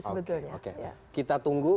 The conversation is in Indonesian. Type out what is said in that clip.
sebetulnya kita tunggu